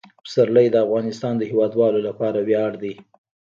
پسرلی د افغانستان د هیوادوالو لپاره ویاړ دی.